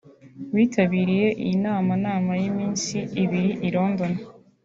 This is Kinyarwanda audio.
witabiriye iyi nama nama y’iminsi ibiri i London